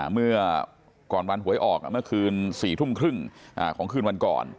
เมื่อก่อนวันหวยออกเมื่อคืน๔ทุ่มครึ่งของคืนวันก่อน